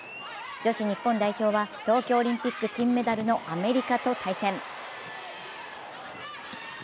女子日本代表は東京オリンピック金メダルのアメリカと対戦。